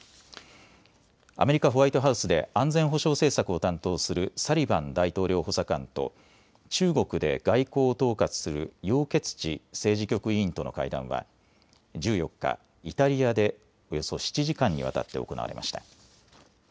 アメリカ・ホワイトハウスで安全保障政策を担当するサリバン大統領補佐官と中国で外交を統括する楊潔チ政治局委員との会談は１４日、イタリアでおよそ７時間にわたって行われました。